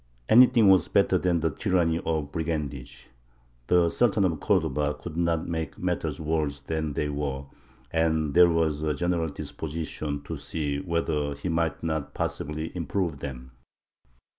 Anything was better than the tyranny of brigandage. The Sultan of Cordova could not make matters worse than they were, and there was a general disposition to see whether he might not possibly improve them.